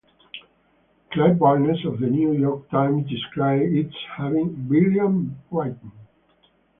Clive Barnes of the New York Times described it as having "brilliant writing".